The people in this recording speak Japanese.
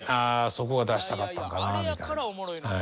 そこを出しかったんかなみたいなええ。